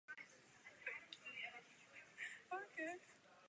Z částí jejího území byla vytvořena nově zřízená metropolitní arcidiecéze bratislavská.